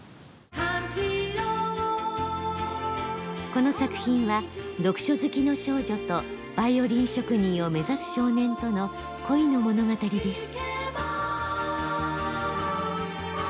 この作品は読書好きの少女とバイオリン職人を目指す少年との恋の物語です。